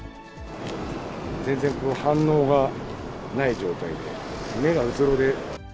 全然反応がない状態で、目がうつろで。